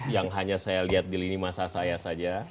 yang hanya saya lihat di lini masa saya saja